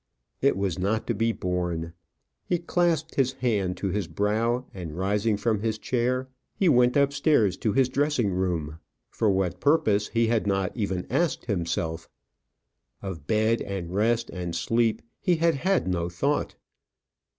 It was not to be borne. He clasped his hand to his brow, and rising from his chair, he went upstairs to his dressing room. For what purpose, he had not even asked himself. Of bed, and rest, and sleep he had had no thought.